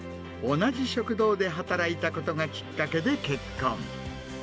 同じ食堂で働いたことがきっかけで結婚。